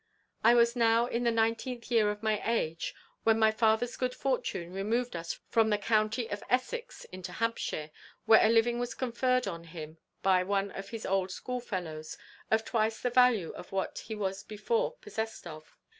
"I was now in the nineteenth year of my age, when my father's good fortune removed us from the county of Essex into Hampshire, where a living was conferred on him by one of his old school fellows, of twice the value of what he was before possessed of.